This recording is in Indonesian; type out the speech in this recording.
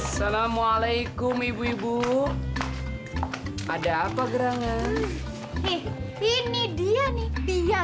sampai jumpa di video selanjutnya